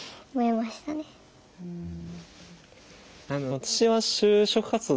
私は就職活動